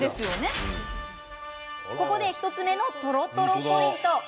ここで１つ目のとろとろポイント。